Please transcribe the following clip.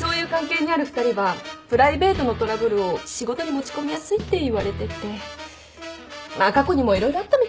そういう関係にある２人はプライベートのトラブルを仕事に持ち込みやすいっていわれててまあ過去にも色々あったみたいなのよ。